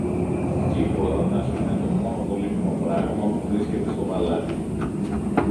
και η κορώνα σου είναι το μόνο πολύτιμο πράμα που βρίσκεται στο παλάτι.